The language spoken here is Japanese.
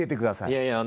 いやいや！